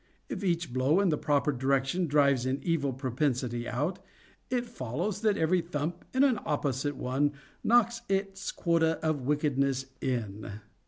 If each blow in the proper direction drives an evil propensity out, it follows that every thump in an opposite one knocks its quota of wickedness in.